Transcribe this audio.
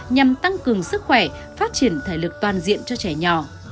nhằm tăng cường sức khỏe phát triển thể lực toàn diện cho trẻ nhỏ